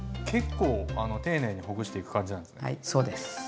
結構丁寧にほぐしていく感じなんですね。